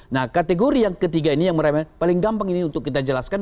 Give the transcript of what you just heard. nah kategori yang ketiga ini yang paling gampang ini untuk kita jelaskan